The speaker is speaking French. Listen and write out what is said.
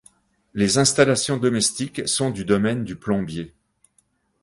Les installations domestiques sont du domaine du plombier.